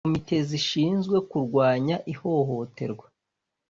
Komite zishinzwe kurwanya ihohoterwa.